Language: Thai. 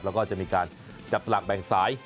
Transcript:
แล้วก็จะมีการจับสลากแบ่งสาย